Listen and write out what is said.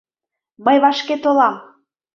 Мый вашке толам!..